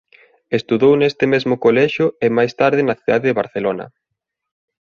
Estudou neste mesmo colexio e máis tarde na cidade de Barcelona.